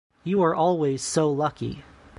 You are always so lucky.